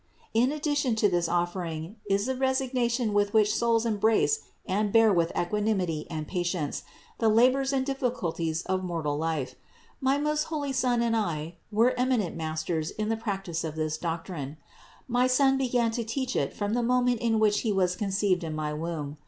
In addition to this offering is the resignation with which souls embrace and bear with equanimity and patience the labors and difficulties of mortal life. My most holy Son and I were eminent Masters in the prac tice of this doctrine. My Son began to teach it from the moment in which He was conceived in my womb.